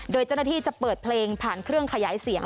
โดยเจ้าหน้าที่จะเปิดเพลงผ่านเครื่องขยายเสียง